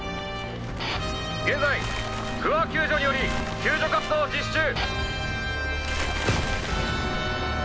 現在不破救助により救助活動実施中。